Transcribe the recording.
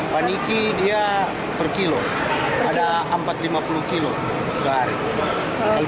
paniki dia per kilo ada empat ratus lima puluh kilo sehari